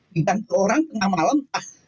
dan orang tengah malam